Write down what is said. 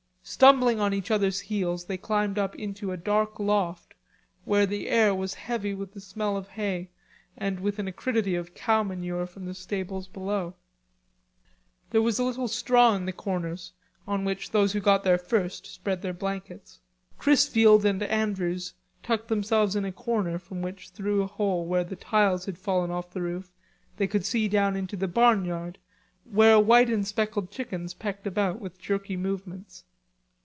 Stumbling on each others' heels they climbed up into a dark loft, where the air was heavy with the smell of hay and with an acridity of cow manure from the stables below. There was a little straw in the corners, on which those who got there first spread their blankets. Chrisfield and Andrews tucked themselves in a corner from which through a hole where the tiles had fallen off the roof, they could see down into the barnyard, where white and speckled chickens pecked about with jerky movements.